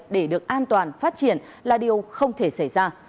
để được an toàn phát triển là điều không thể xảy ra